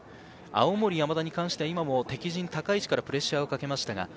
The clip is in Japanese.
青森山田に関しては敵陣の高からプレッシャーをかけました。